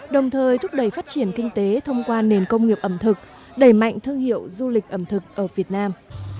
đồng thời thúc đẩy phát triển kinh tế thông qua nền công nghiệp ẩm thực đẩy mạnh thương hiệu du lịch ẩm thực ở việt nam